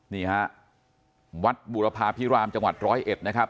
นี่ฮะวัดบุรพาพิรามจังหวัดร้อยเอ็ดนะครับ